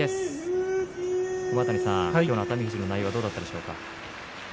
熊ヶ谷さん、今日の熱海富士の内容はどうだったでしょうか。